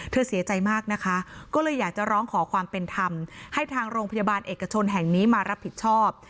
เสียใจมากนะคะก็เลยอยากจะร้องขอความเป็นธรรมให้ทางโรงพยาบาลเอกชนแห่งนี้มารับผิดชอบ